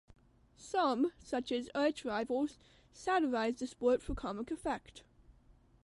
Some, such as "Arch Rivals", satirize the sport for comic effect.